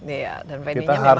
iya dan venuenya memang harus